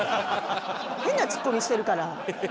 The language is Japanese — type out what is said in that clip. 変なツッコミしてるから。